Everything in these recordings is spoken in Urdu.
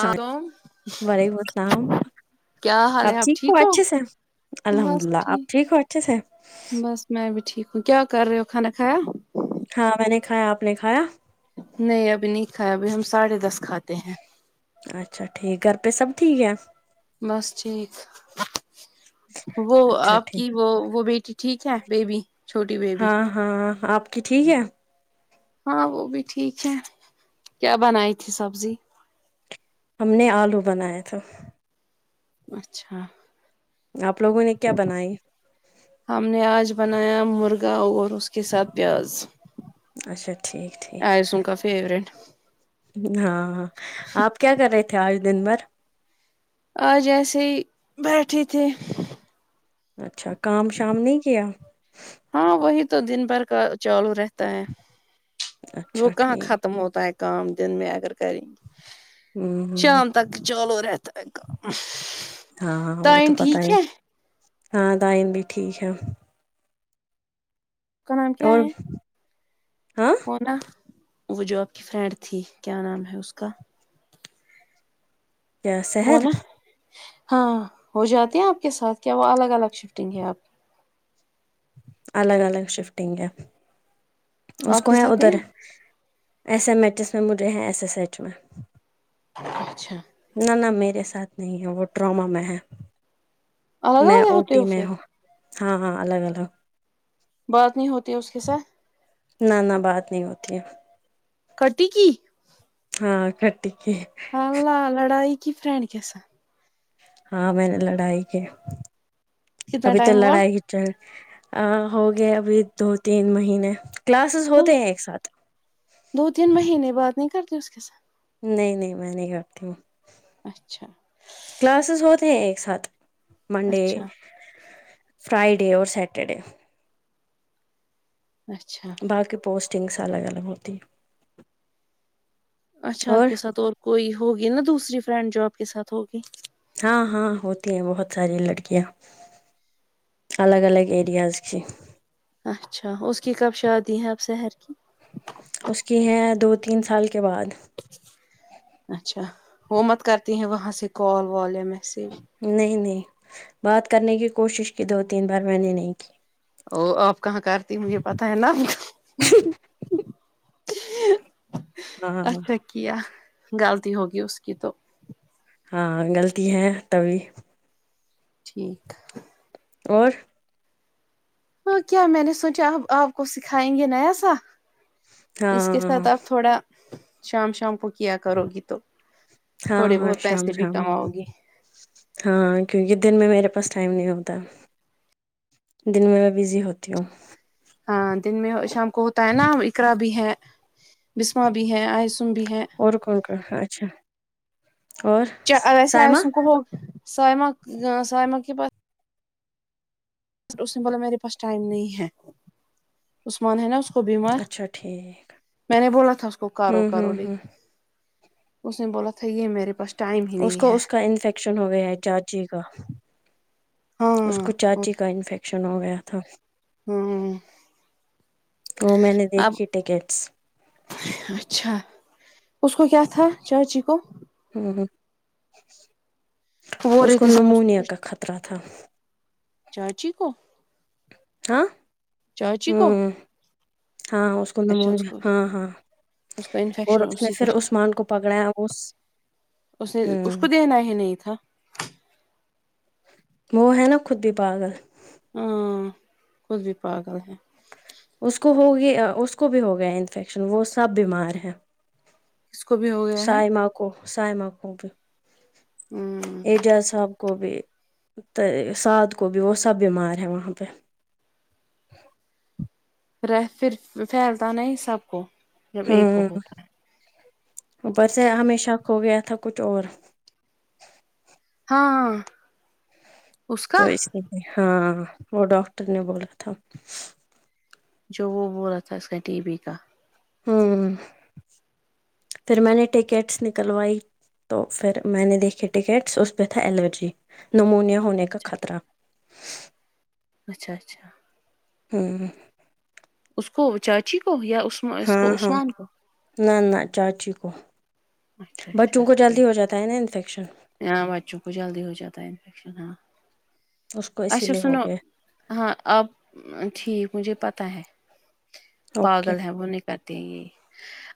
آ کو وعلیکم السلام کیا حال ہے آپ ٹھیک ہو الحمد بس للہ آپ ٹھیک ہو اچھے سے بس میں بھی ٹھیک ہوں کیا کر رہے ہو کھانا کھایا ہاں میں نے کھایا آپ نے کھایا نہیں ابھی نہیں کھایا ابھی ہم ساڑھے دس کھاتے ہیں اچھا ٹھیک گھر پہ سب ٹھیک ہے بس ٹھیک وہ اچھا آپ ٹھیک کی وہ وہ بیٹی ٹھیک ہے بیبی چھوٹی بیبی ہاں ہاں آپ کی ٹھیک ہے ہاں وہ بھی ٹھیک ہے کیا بنائی تھی سبزی ہم نے آلو بنایا تھا اچھا آپ لوگوں نے کیا بنائی ہم نے آج بنایا مرغا اور اس کے ساتھ پیاز اچھا ٹھیک ٹھیک ایسو کا فوورٹ ہاں آپ کیا کر رہے تھے آج دن بھر آ ج ایسے ہی بیٹھے تھی اچھا کام شام نہیں کیا ہاں وہی تو دن بھر کا چالو رہتا ہے اچھا وہ کہاں ٹھیک ختم ہوتا ہے کام دن میں اگر کریں ہوں ہوں شام تک چالو رہتا ہے کام ہاں وہ دائین تو پتا ٹھیک ہی ہے ہاں دائین بھی ٹھیک ہے کا نام کیا اور ہاں ہے نہ وہ جو آپ کی فرینڈ تھی کیا نام ہے اس کا کیا وہ شہر نا ہاں و ہ جاتی ہیں آپ کے ساتھ کیا وہ الگ الگ شفٹنگ ہے آپکی الگ الگ شفٹنگ ہے اس آپ کو کے ہے ساتھ نہیں ادھر ایس ایم ایچس میں مجے ہیں ایس ایس ایچ میں اچھا نہ نہ میرے ساتھ نہیں ہے وہ ٹراما میں ہے الگ میں الگ او ہوتے ٹی ہو میں پھر ہوں ہاں ہاں الگ الگ بات نہیں ہوتی ہے اسکے سا تھ نہ نہ بات نہیں ہوتی ہے کٹی کی ہاں کٹی کی اللہ لڑائی کی فرینڈ کے ساتھ ہاں میں نے لڑائی کے کتنا ابھی تو ٹائم ہوا لڑائی چل ا ہو گیا ابھی دو تین مہینے کلاسز دو ہوتے ہیں ایک ساتھ دو تین مہینے بات نہیں کرتی اس کے ساتھ نہیں نہیں میں نہیں کرتی ہوں اچھا کلاسز ہوتے ہیں ایک ساتھ منڈے اچھا فرائیڈے اور سیٹرڈے اچھا باقی پوسٹنگس الگ الگ ہوتی ہیں اچھا آپ کے ساتھ اور کوئی ہوگی نا دوسری فرینڈ جو آپ کے ساتھ ہوگی ہاں ہاں ہوتی ہیں بہت ساری لڑکیاں الگ الگ ایرییاز کی اچھا اس کی کب شادی ہے اب شہر اس کی ہے دو تین سال کے بعد اچھا وہ مت کرتی ہیں وہاں سے کال وال یا میسیج نہیں نہیں بات کرنے کی کوشش کی دو تین بار میں نے نہیں کی ا آپ کہاں کرتی مجھے پتا ہے نہ ہاں اچھا کیا غلطی ہوگی اس کی تو ہاں غلطی ہے تبھی ٹھیک اور ہاں کیا میں نے سوچا اب آپ کو سکھائیں گے نیا سا ہاں اس کے ساتھ آپ تھوڑا شام شام کو کیا کرو گی تو ہاں تھوڑے ہاں بہت شام پیسے بھی شام کو کماؤ گی ہاں کیونکہ دن میں میرے پاس ٹائم نہیں ہوتا دن میں میں بزی ہوتی ہوں ہاں دن میں شام کو ہوتا ہے نا اقرا بھی ہے بسما بھی ہے آس اور کون کون ہا اچھا اور چ ویسے سائمہ آئےس سکو سائمہ سائمہ کے پ اس نے بولا میرے پاس ٹائم نہیں ہے عثمان ہے نا اس کو بیمار اچھا ٹھیک میں نے بولا تھا اس کو کرو ہوں ہوں کرو ہوں اس نے بولا تھا یہ میرے پاس ٹائم ہی اس نہیں کو ہے اس کا انفیکشن ہو گیا ہے چاچی کا اس کو ہاں چاچی کا انفیکشن ہو گیا تھا ہاں ا میں نے اب دیکھی ٹیکٹس اچھا اس کو کیا تھا چاچی کو ہ ہ وہ اس کو رہتے سب نمونیا کچھ کا خطرہ تھا چاچی کو ہاں چاچی کو ہوں، ہاں اسکو کو اچھا اس تو ہاں ہاں اس کو اور انفیکشن اس نے اسی کا پھر عثمان کو پکڑایا اس نے اس ہوں، کو دینا ہی نہیں تھا وہ ہے نا خود بھی پاگل ہاں خود بھی پاگل ہے اس کو ہوگیا اس کو بھی ہو گیا انفیکشن وہ سب بیمار ہیں اس کو بھی ہو گیا ہے سائما کو سائما کو بھی ہوں اعجاز صاحب کو بھی تو سعاد کو بھی وہ سب بیمار ہے وہاں پہ رہ پھر پھیلتا نہیں سب کو جب ایک کو ہوں ہوتا ہے اوپر سے ہمیشہ کھو گیا تھا کچھ اور ہاں ہاں تو اس لیے ہاں وہ ڈاکٹر نے بولا تھا جو وہ بو لا تھا اس کا ٹی وی کا ہوں پھر میں نے ٹکٹس نکلوائی تو پھر میں نے دیکھیے ٹکٹس اس پہ تھا الرجی نمونیا ہونے کا خطرہ اچھا اچھا ہوں اس کو چاچی کو یا اس ہاں کو ہاں عثمان کو نہ نہ چاچی کو اچھا اچھا بچوں کو جلدی ٹھیک ہو جاتا تا نا انفیکشن ہاں بچوں کو جلدی ہو جاتا ہے انفیکشن ہاں اس کو اسی اچھا لیے ہو سنو گیا ہاں آپ ٹھیک مجھے پتہ ہے اوکے پاگل ہے وہ نے کہتے ہیں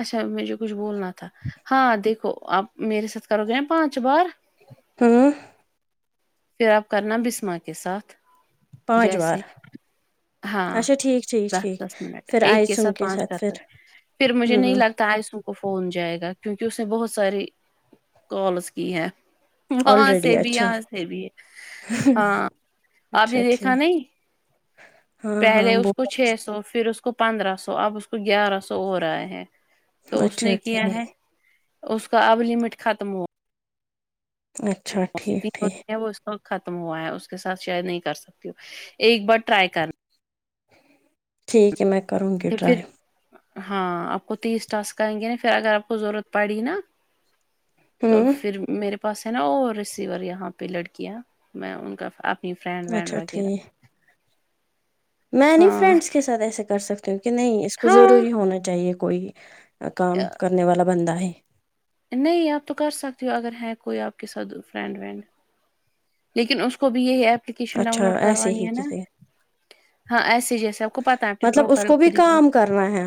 اچھا مجھے کچھ بولنا تھا ہاں دیکھو آپ میری ساتھ کرو گے پانچ بار ہاں پھر آپ کرنا بسمہ کے ساتھ پانچ بار جیسے ہاں اچھا ٹھیک ٹھیک دس ٹھیک دس منٹ پھر ایک کے آئسم ساتھ پانچ کر سکتے پھر ہیں پھر مجھے نہیں ہوں لگتا آئیسن فون جائے گا کیونکہ اس نے بہت ساری کالس کی ہے وہاں آلریڈی سے بھی اچھا یہاں سے بھی ہے ہاں آپ اچھا نے دیکھا ٹھیک نہیں ہاں ہاں پہلے اس وہ کو چھ سو پھر اس کو پندرہ سو اب اس کو گیارہ سو ہو رہا ہے تو اس اچھا نے کیا ٹھیک ہے اس کا اب لمٹ ختم ہوا اچھا ٹھیک ٹھیک ہوتی ہے وہ اس کو ختم ہوا ہے اس کے ساتھ شیئر نہیں کر سکتی ایک بار ٹرائی کرنا ٹھیک ہے میں کروں گی پھر ٹرائی ہاں آپ کو تیس ٹاسک آئیں گے نا پھر اگر آپ کو ضرورت پڑی نا تو ہوں پھر میرے پاس ہے نا اور ریسیور یہاں پہ لڑکیاں میں ان کا آ فرینڈ وینڈ اچھا وغیرہ ٹھیک میں نہیں ہاں فرینڈس کے ساتھ ایسے کر سکتی ہوں کہ نہیں اس کو ہاں ضروری ہونا چاہیے کوئی کام کرنے والا بندہ ہے نہیں آپ تو کر سکتی ہو اگر ہے کوئی آپ کے ساتھ فرینڈ وینڈ لیکن اس کو بھی یہی اپلیکیشن ڈاؤن اچھا لوڈ ایسے کروانی ہی ہے نا کسی ہاں ایسے جیسے آپ کو پتا ہے اپنی مطلب اس پروفائل بھی خود ہی کو ہ کام کرنا ہے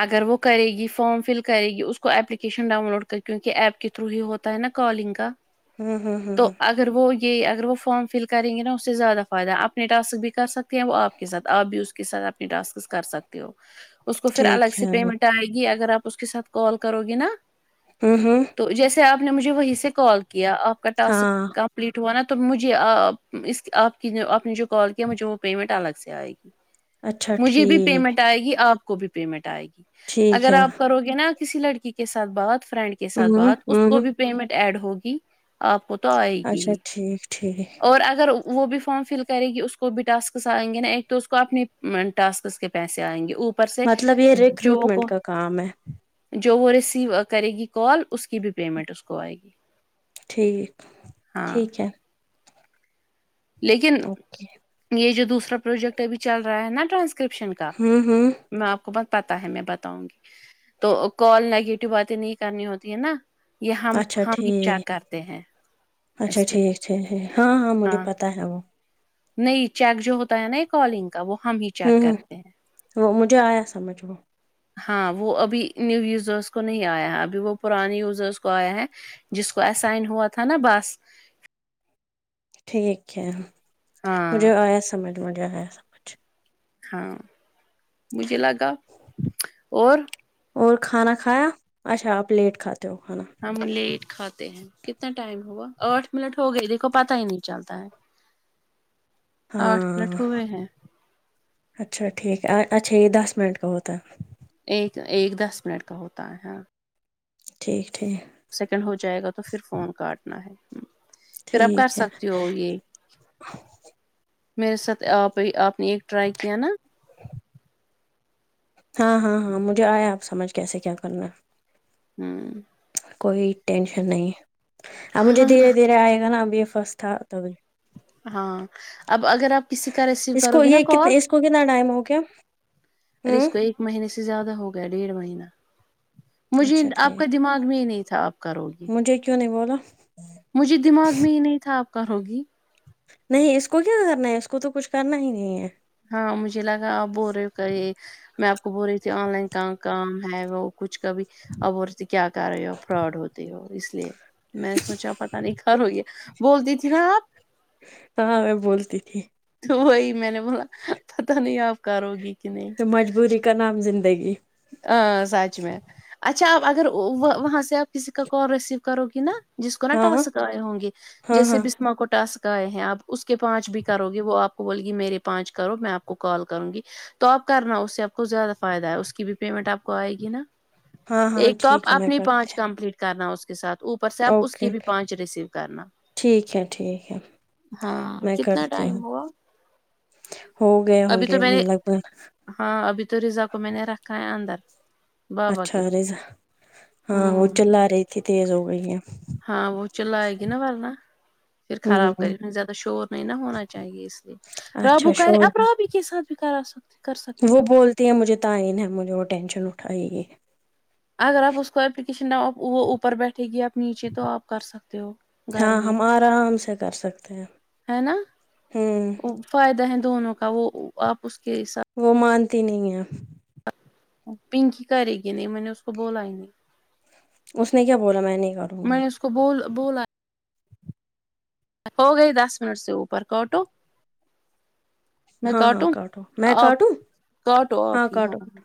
اگر وہ کرے گی فارم فل کرے گی اس کو اپلیکیشن ڈاؤن لوڈ کر کیونکہ ایپ کے تھرو ہی ہوتا تا ہے نا کالنگ کا ھم ہم تو ہم اگر وہ یہ اگر وہ فارم فل کریں گے نا اس سے زیادہ فائدہ اپنے ٹاسک بھی کر سکتی ہیں وہ آپ کے ساتھ آپ بھی اس کے ساتھ آپ ٹسک کر سکتے ہو اس کو پھر الگ ٹھیک ہے سے پیمنٹ ہوں آئے گی اگر آپ اس کے ساتھ کال کرو گی نا ہاں ہاں تو جیسے آپ نے مجھے وہیں سے کال کیا آپ کا ٹاسک ہاں کم مپلیٹ ہوا نا تو مجھے اس آپ کی جو آپ نے جو کال کیا مجھے وہ پیمنٹ الگ سے آئے گی اچھا مجھے بھی ٹھیک پیمنٹ آئے گی آپ بھی پیمنٹ آئے گی ٹھیک اگر ہے آپ کرو گے نا کسی لڑکی کے ساتھ بات فرینڈ کے کے ساتھ ہوں بات اس کو ہوں بھی پیمنٹ ایڈ ہوگی آپ کو تو آئے گی اچھا ہی ٹھیک ٹھیک اور اگر وہ بھی فارم فل کرے گی اس کو بھی ٹاسکس آئیں گے نا ایک تو اس کو اپنے ٹاسکس کے پیسے آئیں گے او پر سے مطلب یہ جو ریکروٹمنٹ کو کا کام ہے جو وہ ریسیو کرے گی کال اس کی بھی پیمنٹ اس کو آئے گی ٹھیک ہاں ٹھیک ہے لیکن یہ جو دوسرا پروجیکٹ ابھی چل رہا ہے نا ٹرانسکرپشن کا ہوں ہوں میں آپ کو پتاتا ہے میں بتاؤں گی تو کال نگیٹو باتیں نہیں کرنی ہوتی ہے نا یہ ہم اچھا ہم ہی ٹھیک چیک کرتے ہیں اچھا اس پہ ٹھیک [unintelligible] ہاں ہاں مجھے پتا ہے وہ نہیں چیک جو ہوتا ہے نا کالنگ کا وہ ہم ہی چیک ہوں ہوں کرتے ہیں وہ مجھے آیا سمجھ وہ ہاں وہ ابھی نیو یوزرس کو نہیں آیا ہے ابھی وہ پرانے یوزرس کو آیا ہے جس کو آسائن ہوا تھا نا بس ٹھیک ہے ہاں مجھے آیا سمجھ مجھے آیا سمجھ ہاں مجھے لگا اور اور کھانا کھایا اچھا آپ لیٹ کھاتے ہو کھانا ہم لیٹ کھاتے ہیں کتنا ٹائم ہوا آٹھ منٹ ہوگئے دیکھو پتا ہی نہیں چلتا ہے آٹھ ہاں منٹ ہوئے ہیں اچھا ٹھیک ہے اچھا یہ دس منٹ کا ہوتا ہے ایک ایک دس منٹ کا ہوتا ہے ہاں ٹھیک ٹھیک سیکنڈ ہو جائے گا تو پھر فون کاٹنا ہے پھر اپ کر ٹھیک ہے سکتے ہو یہ میرے ساتھ آپ آپ نے ایک ٹرائی کیا نا [unintelligible] ہاں ہاں ہاں مجھے آیا آپ سمجھ کیسے کیا کرنا ام کوئی ٹینشن نہیں اب مجھے ہاں دھیرے دھیرے آئے گا نا اب یہ فسٹ تھا تبھی ہاں اب اگر آپ کسی کا ریسیو اس کرو کو گی نا یہ کال کتنے اس کو کتنا ٹائم ہو گیا اس ہوں کو ایک مہینے سے زیادہ ہو گیا ڈیڑھ مہینہ مجھے اچھا آپ کا ٹھیک دماغ میں ہی نہیں تھا آپ کا روگی مجھے کیوں نہیں بولا مجھے دماغ میں ہی نہیں تھا آپ کر ہوگی نہیں اس کو کیا کرنا ہے اس کو تو کچھ کرنا ہی نہیں ہے ہاں مجھے لگا آپ بول رہے ہو کہ یہ میں آپ کو بول رہی تھی آن لائن کا کام ہے وہ کچھ کبھی اپ بولی کیا کر رہے ہو فراڈ ہوتے ہو اس لیے میں نے سوچا پتا نہیں کر ہو یہ بولتی تھی نا آپ ہاں میں بولتی تھی تو وہی میں نے بولا پتا نہیں آپ کروگی کہ نہیں تو مجبوری کا نام زندگی ا سچ میں اچھا آپ اگر وہ وہاں سے آپ کسی کا کال ریسیو کرو گی نا جس کو نا ہاں ٹاسک آئے ہوں گے ہاں جیسے ہاں بسما کو ٹاکس آئے ہیں آپ اس کے پانچ بھی کرو گے وہ آپ کو بول گی میرے پانچ کرو میں آپ کو کال کروں گی تو آپ کرنا اس سے آپ کو زیادہ فائدہ ہے اس کی بھی پیمنٹ آپ کو آئے گی نا ہاں ہاں ایک تو آپ ٹھیک ہے میں اپنی کرتی پانچ کمپلیٹ کرنا اس کے ساتھ اوپر سے ہوں۔ آپ اس اوکے کی بھی پانچ ریسیو کرنا ٹھیک ہے ٹھیک ہے ہاں میں کتنا کرتی ہوں ٹائم ہوا ہو گئے ہوں ابھی گے تو میں نے مطلب ہاں ابھی تو رضا کو میں نے رکھا ہے اندر بابا اچھا کے رزا ہاں وہ ہوں چل آ رہی تھی تیز ہو گئی ہے ہاں وہ چلاائے گی نا ورنہ نا پھر خراب ہمم کرے گی زیادہ شور نہیں نہ ہونا چاہیے اس لیے رابو اچھا شور کراپنا بھی ہی کس سے بھی کرا س وہ بولتی ہیں مجھے تعین ہے مجھے وہ ٹینشن اٹھائیے اگر آپ اس کو اپلیکیشن نا وہ اوپر بیٹھے گی آپ نیچے تو آپ کر سکتے ہو گھر ہاں میں ہم ہی آرام سے کر سکتے ہیں ہے نا ہمم فائدہ ہے دونوں کا وہ آپ اس کے حساب وہ مانتی نہیں ہے پنکی کرے گ نہیں میں نے اس کو بولا ہی نہیں اس نے کیا بولا میں نے کہا میں نے اس کو بول بولا ہو گئی دس منٹ سے اوپر کوٹو میں ہاں ہاں کاٹوں کاٹو میں آپ کاٹوں کاٹو آپ ہی ہاں ہاں